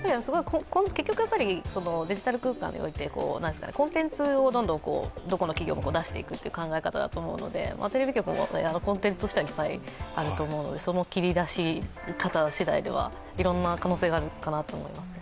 結局、デジタル空間ってコンテンツを出していくっていう考え方だと思うのでテレビ局もコンテンツとしてはいっぱいあると思うのでその切り出し方しだいではいろんな可能性があるかなと思います。